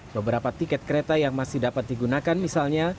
beberapa tiket kereta yang masih dapat digunakan misalnya